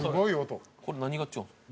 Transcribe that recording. これ何が違うんですか？